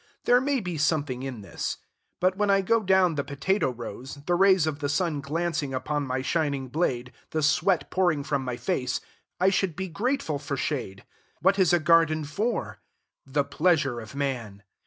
There may be something in this: but when I go down the potato rows, the rays of the sun glancing upon my shining blade, the sweat pouring from my face, I should be grateful for shade. What is a garden for? The pleasure of man.